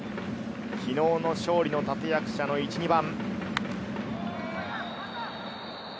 昨日の勝利の立役者の１・２番。